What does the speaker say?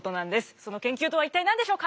その研究とは一体何でしょうか。